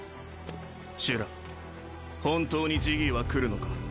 シュラ本当にジギーは来るのか？